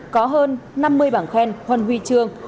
có hơn năm mươi bảng khen huân huy trương